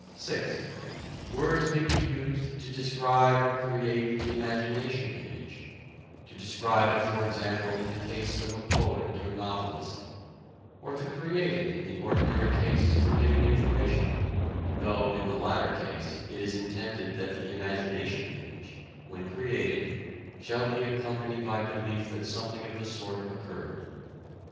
(6) Words may be used to describe or create an imagination image: to describe it, for example, in the case of a poet or novelist, or to create it in the ordinary case for giving information though, in the latter case, it is intended that the imagination image, when created, shall be accompanied by belief that something of the sort occurred.